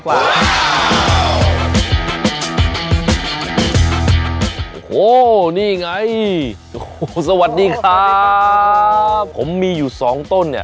โอ้โหนี่ไงโอ้โหสวัสดีครับสวัสดีครับผมมีอยู่สองต้นเนี้ย